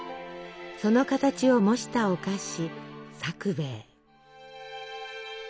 その形を模したお菓子さくべい。